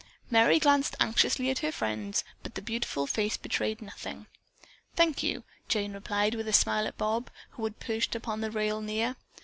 Merry glanced anxiously at her friend, but the beautiful face betrayed nothing. "Thank you," Jane replied with a smile at Bob, who had perched upon the rail near.